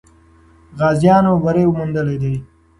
غازیانو بری موندلی دی.